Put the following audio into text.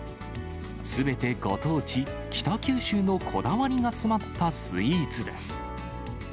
すべてご当地、北九州のこだわりが詰まったスイーツです。